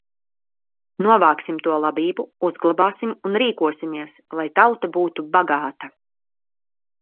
Novāksim to labību, uzglabāsim un rīkosimies, lai tauta būtu bagāta!